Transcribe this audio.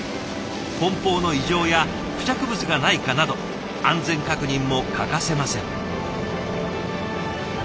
梱包の異常や付着物がないかなど安全確認も欠かせません。